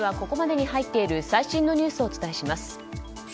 ここまでに入っている最新のニュースをお伝えします。